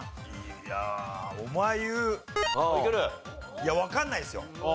いやわからないですよ。